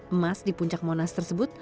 emas di puncak monas tersebut